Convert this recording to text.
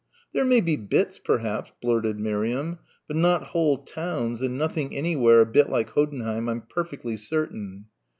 "There may be bits, perhaps," blurted Miriam, "but not whole towns and nothing anywhere a bit like Hoddenheim, I'm perfectly certain."